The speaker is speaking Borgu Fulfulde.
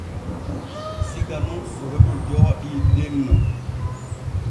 Siga nun Sorome jooɗii denno.